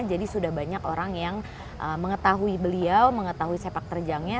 jadi sudah banyak orang yang mengetahui beliau mengetahui sepak terjangnya